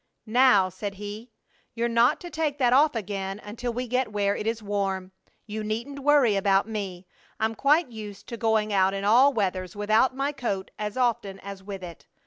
"Now," said he, "you're not to take that off again until we get where it is warm. You needn't worry about me. I'm quite used to going out in all weathers without my coat as often as with it.